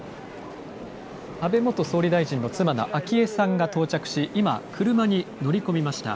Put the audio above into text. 安倍元総理大臣の妻の昭恵さんが到着し、今、車に乗り込みました。